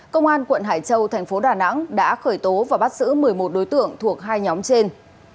công an quận hải châu thành phố đà nẵng đã khởi tố và bắt giữ một mươi một đối tượng thuộc hai nhóm trên